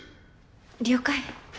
了解。